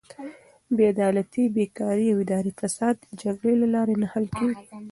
بېعدالتي، بېکاري او اداري فساد د جګړې له لارې نه حل کیږي.